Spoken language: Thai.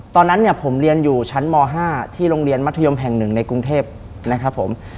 ตอนนั้นเนี่ยผมเรียนอยู่ชั้นม๕ที่โรงเรียนมัธยมแห่งหนึ่งในกรุงเทพนะครับผม